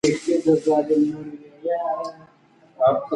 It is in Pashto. تاسو باید د خپلو ګاونډیانو حقوق وپېژنئ.